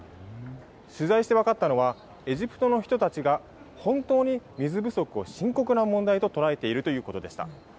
取材して分かったのはエジプトの人たちが本当に水不足を深刻な問題と捉えているということでした。